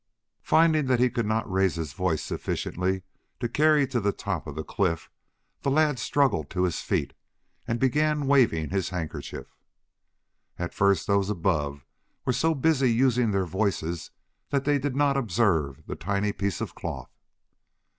Finding that he could not raise his voice sufficiently to carry to the top of the cliff, the lad struggled to his feet and began waving his handkerchief. At first those above were so busy using their voices that they did not observe the tiny piece of cloth.